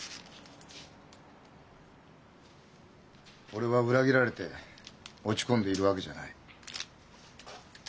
俺は裏切られて落ち込んでいるわけじゃない。